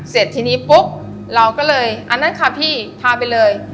เสร็จทีนี้ปุ๊บเราก็เลยอันนั้นค่ะพี่พาไปเลย